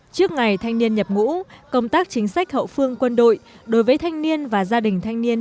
trước ngày thanh niên nhập ngũ công tác chính sách hậu phương quân đội đối với thanh niên và gia đình thanh niên